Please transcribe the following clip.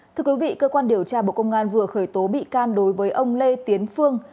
thưa quý vị cơ quan điều tra bộ công an vừa khởi tố bị can đối với ông lê tiến phương